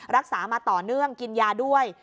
รักษามาต่อเนื่องกินยาด้วย